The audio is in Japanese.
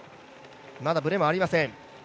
まだブレもありません。